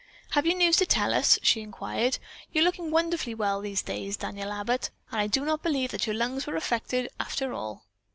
"Have you news to tell us?" she inquired. "You're looking wonderfully well these days, Daniel Abbott. I do not believe that your lungs were affected, after all."